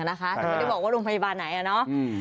ไม่ได้บอกว่าโรงพยาบาลไหนนะ